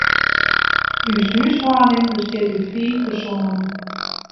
Us húshâlding bestiet út fiif persoanen.